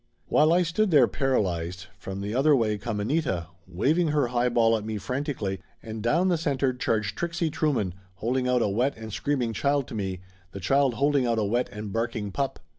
While I stood there paralyzed, from the other way come Anita, waving her highball at me frantically, and 158 Laughter Limited down the center charged Trixie Trueman, holding out a wet and screaming child to me, the child holding out a wet and barking pup.